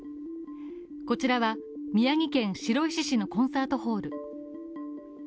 こちらは宮城県白石市のコンサートホール。